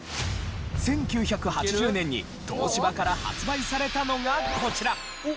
１９８０年に東芝から発売されたのがこちら！